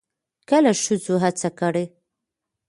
کله ښځو هڅه کړې